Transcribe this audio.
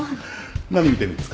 何見てるんですか？